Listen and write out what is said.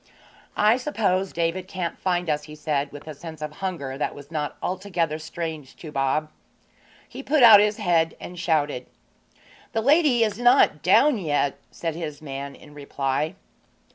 'I suppose David can't find us,' he said, with a sense of hunger that was not altogether strange to Bob. He put out his head and shouted. 'The lady is not down yet,' said his man in reply.